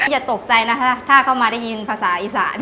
อย่าตกใจนะคะถ้าเข้ามาได้ยินภาษาอีสาน